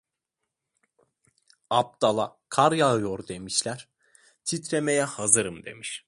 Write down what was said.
Abdala "kar yağıyor" demişler, "titremeye hazırım" demiş.